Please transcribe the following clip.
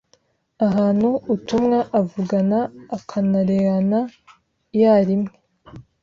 ahana uutumwa avugana akanareana iyarimwe